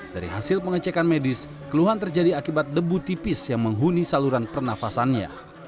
dari hasil pengecekan medis keluhan terjadi akibat debu tipis yang menghuni saluran pernafasannya